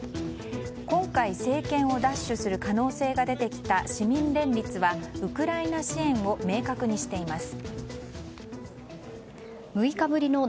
今回、政権を奪取する可能性が出てきた市民連立はウクライナ支援を明確にしています。